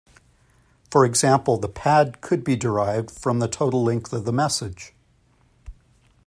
For example, the pad could be derived from the total length of the message.